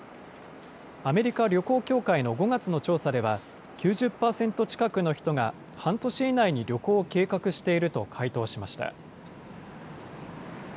アメリカ旅行協会の５月の調査では、９０％近くの人が、半年以内に旅行を計画していると回答しました。